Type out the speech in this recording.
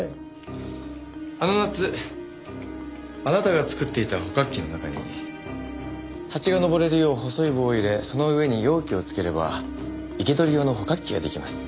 あの夏あなたが作っていた捕獲器の中にハチが登れるよう細い棒を入れその上に容器をつければ生け捕り用の捕獲器が出来ます。